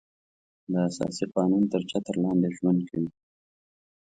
د اساسي قانون تر چتر لاندې ژوند کوي.